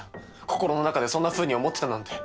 心の中でそんなふうに思ってたなんて。